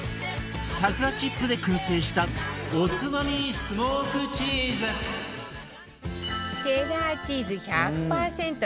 桜チップで燻製したおつまみスモークチーズチェダーチーズ１００パーセント